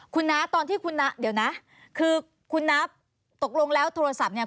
คุณน้าตอนที่คุณน้าเดี๋ยวนะคือคุณนับตกลงแล้วโทรศัพท์เนี่ย